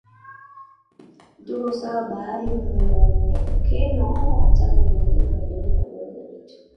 kutoka usawa wa bahari Muonekeno wa Tanga ni milima midogo mabonde na Mito